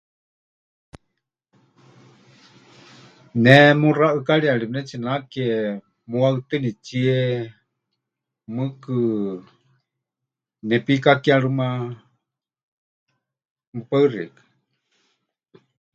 Ne muxá ʼɨkariyari pɨnetsinake muhaɨtɨnitsie, mɨɨkɨ nepikakerɨma. Mɨpaɨ xeikɨ́a.